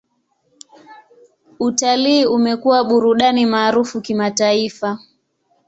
Utalii umekuwa burudani maarufu kimataifa.